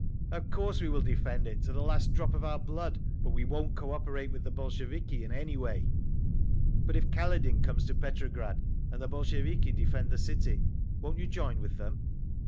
"Of course we will defend it—to the last drop of our blood. But we won't cooperate with the Bolsheviki in any way…." "But if Kaledin comes to Petrograd, and the Bolsheviki defend the city. Won't you join with them?"